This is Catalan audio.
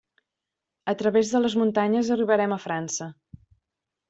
A través de les muntanyes arribarem a França.